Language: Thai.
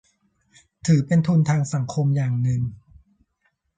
ถือเป็นทุนทางสังคมอย่างหนึ่ง